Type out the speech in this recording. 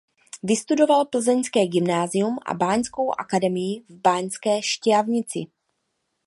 Vystudoval plzeňské gymnázium a Báňskou akademii v Banské Štiavnici.